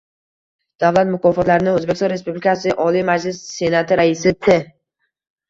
Davlat mukofotlarini O'zbekiston Respublikasi Oliy Majlisi Senati Raisi T